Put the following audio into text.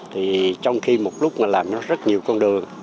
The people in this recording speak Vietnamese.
thì trong khi một lúc mà làm nó rất nhiều con đường